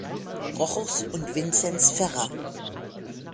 Rochus und Vinzenz Ferrer.